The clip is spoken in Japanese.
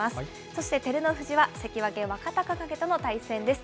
そして照ノ富士は関脇・若隆景との対戦です。